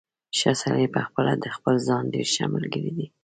ښه سړی پخپله د خپل ځان ډېر ښه ملګری دی.